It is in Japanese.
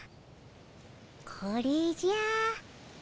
これじゃ。